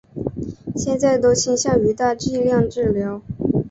现在都倾向于大剂量治疗。